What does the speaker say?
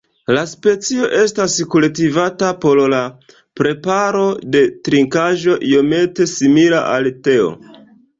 La specio estas kultivata por la preparo de trinkaĵo iomete simila al teo.